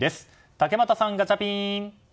竹俣さん、ガチャピン！